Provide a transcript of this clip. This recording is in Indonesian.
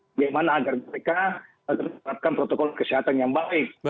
bagaimana agar mereka tetapkan protokol kesehatan yang baik